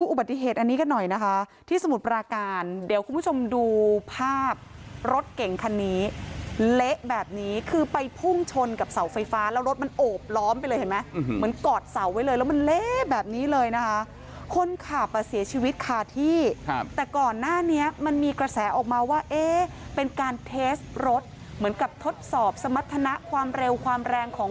อุบัติเหตุอันนี้กันหน่อยนะคะที่สมุทรปราการเดี๋ยวคุณผู้ชมดูภาพรถเก่งคันนี้เละแบบนี้คือไปพุ่งชนกับเสาไฟฟ้าแล้วรถมันโอบล้อมไปเลยเห็นไหมเหมือนกอดเสาไว้เลยแล้วมันเละแบบนี้เลยนะคะคนขับอ่ะเสียชีวิตคาที่ครับแต่ก่อนหน้านี้มันมีกระแสออกมาว่าเอ๊ะเป็นการเทสรถเหมือนกับทดสอบสมรรถนะความเร็วความแรงของ